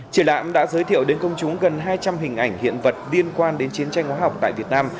triển lãm đã giới thiệu đến công chúng gần hai trăm linh hình ảnh hiện vật liên quan đến chiến tranh hóa học tại việt nam